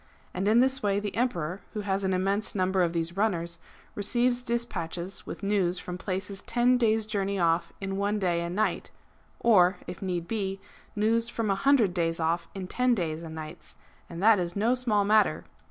And in this way the Emperor, who has an immense number of these runners, receives despatches with news from places ten days' journey off in one day and night ; or, if need be, news from a hundred days off in ten days and nights; and that is no small matter!